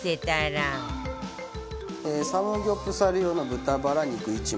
サムギョプサル用の豚バラ肉１枚。